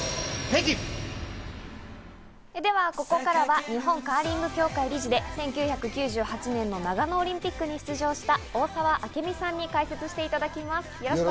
ではここからは、日本カーリング協会理事で１９９８年の長野オリンピックに出場した大澤明美さんに解説していただきます。